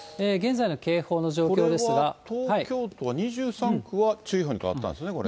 これは東京都、２３区は注意報に変わったんですね。